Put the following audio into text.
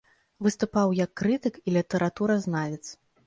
Выступаў як крытык і літаратуразнавец.